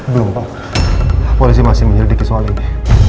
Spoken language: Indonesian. belum pak polisi masih menyelidiki soal ini